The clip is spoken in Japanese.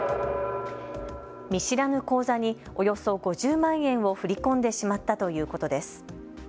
見知らぬ口座におよそ５０万円を振り込んでしまったということです。